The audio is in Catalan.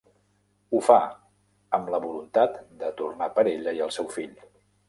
Ho fa, amb la voluntat de tornar per ella i el seu fill.